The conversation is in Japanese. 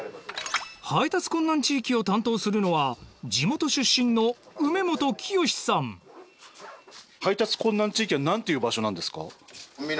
配達困難地域を担当するのは地元出身の配達困難地域は何ていう場所なんですか？